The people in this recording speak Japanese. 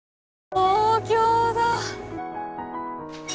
東京だぁ！